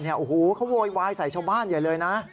โอ้โหเขาโวยวายใส่ชาวบ้านใหญ่เลยนะ